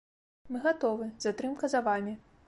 Мы гатовы, затрымка за вамі.